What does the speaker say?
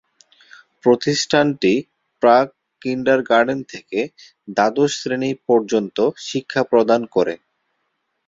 প্রতিষ্ঠানটি প্রাক কিন্ডারগার্টেন থেকে দ্বাদশ শ্রেণী পর্যন্ত শিক্ষা প্রদান করে।